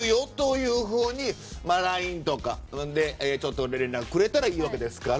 番組見てるよとＬＩＮＥとかで連絡くれたらいいわけですから。